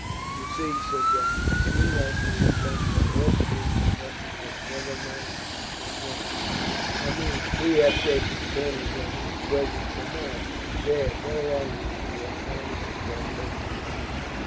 "You see, Sir John, between us we have done what the Austrians and Russians have never managed between them I mean, we have shaken Colonel Drummond's presence of mind. "There, go along with you, we have matters to talk over together."